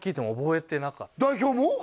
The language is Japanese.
代表も？